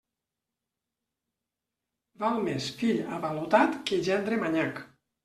Val més fill avalotat que gendre manyac.